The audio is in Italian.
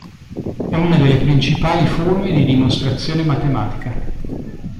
È una delle principali forme di dimostrazione matematica.